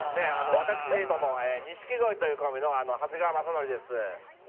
私ども錦鯉というコンビの長谷川雅紀です